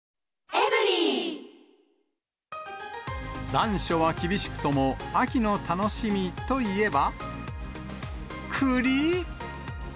残暑は厳しくとも、秋の楽しみといえば、くり。